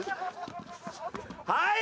はい！